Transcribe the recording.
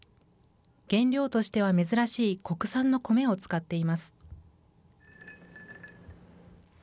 原料としては珍しい国産のコメを使っています。